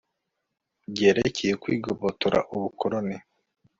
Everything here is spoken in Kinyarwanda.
byerekeye ukwigobotora ubukoloni